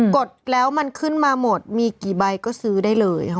ดแล้วมันขึ้นมาหมดมีกี่ใบก็ซื้อได้เลย